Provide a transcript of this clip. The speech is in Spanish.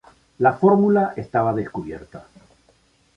La fórmula estaba descubierta.